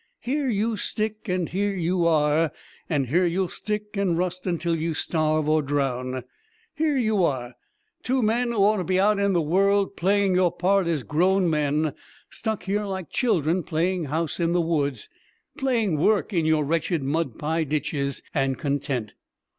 Here you stick, and here you are! And here you'll stick and rust until you starve or drown! Here you are, two men who ought to be out in the world, playing your part as grown men, stuck here like children 'playing house' in the woods; playing work in your wretched mud pie ditches, and content.